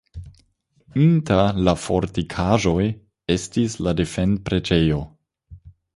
Inter la fortikaĵoj estis la defend-preĝejo.